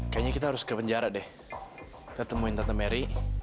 kayaknya kita harus ke penjara deh kita temuin tante meri